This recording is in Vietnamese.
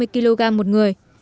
một trăm năm mươi kg một người